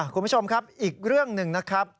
คุณผู้ชมครับอีกเรื่องหนึ่งนะครับ